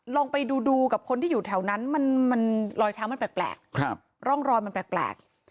ลองไปดูดูกับคนที่อยู่แถวนั้นมันรอยเท้ามันแปลกร่องรอยมันแปลก